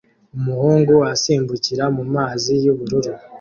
umuhungu asimbukira mumazi yubururu